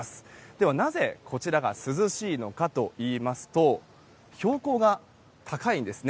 ではなぜ、こちらが涼しいのかといいますと標高が高いんですね。